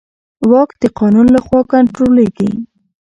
واک د قانون له خوا کنټرولېږي.